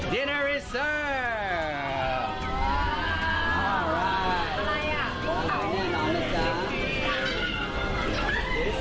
ดิน่ารีเซิร์ฟ